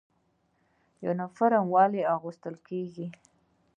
یونفورم ولې اغوستل کیږي؟